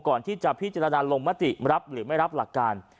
ก่อนที่จะพิจารณาลงมติรับหรือไม่รับหลักการ